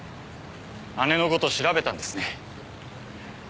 姉のこと調べたんですね？